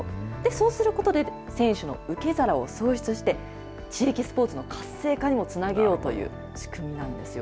そうすることで、選手の受け皿を創出して、地域スポーツの活性化にもつなげようという仕組みなんですよ。